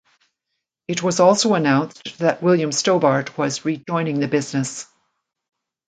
It was also announced that William Stobart was rejoining the business.